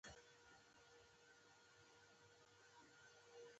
که څوک استقامت ولري هېڅوک يې خنډ کېدای نشي.